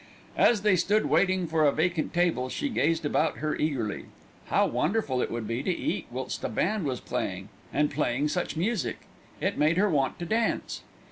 As they stood waiting for a vacant table, she gazed about her eagerly. How wonderful it would be to eat whilst a band was playing and playing such music! It made her want to dance.